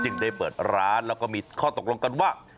ได้เปิดร้านแล้วก็มีข้อตกลงกันว่า